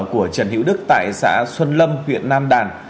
của trần hữu đức tại xã xuân lâm huyện nam đàn